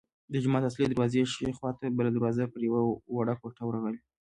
د جومات اصلي دروازې ښي خوا ته بله دروازه پر یوه وړه کوټه ورغلې.